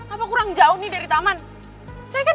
apa kurang jauh nih dari taman